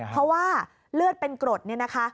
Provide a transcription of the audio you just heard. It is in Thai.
เพราะว่าเลือดเป็นกรดนี่นะคะ